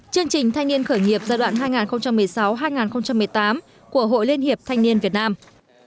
chương trình thanh niên khởi nghiệp giai đoạn hai nghìn một mươi sáu hai nghìn một mươi tám của hội liên hiệp thanh niên việt nam